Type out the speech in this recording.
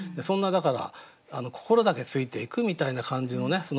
そんなだから心だけついていくみたいな感じのね